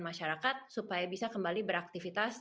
masyarakat supaya bisa kembali beraktivitas